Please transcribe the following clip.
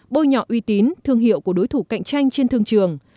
bôi nhọ uy tín thương hiệu của đối thủ cạnh tranh trên thương trường